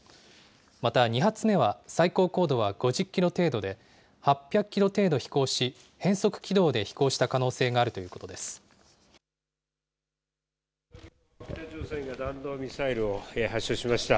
また２発目は、最高高度は５０キロ程度で、８００キロ程度飛行し、変則軌道で飛行した可能性がある北朝鮮が弾道ミサイルを発射しました。